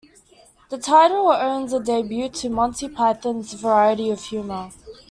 The title owes a debt to Monty Python's variety of humour.